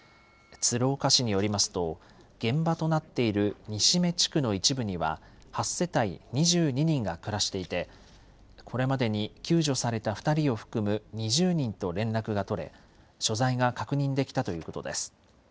鶴岡市によりますと、現場となっている西目地区の一部には、８世帯２２人が暮らしていて、これまでに救助された２人を含む２０人と連絡が取れ、所在が確認できたということです。